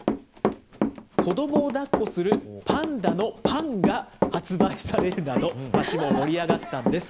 子どもをだっこするパンダのパンが発売されるなど、街も盛り上がったんです。